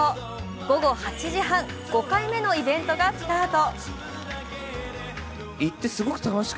午後８時半、５回目のイベントがスタート。